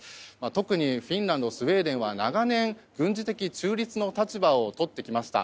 特にフィンランドスウェーデンは長年軍事的中立の立場をとってきました。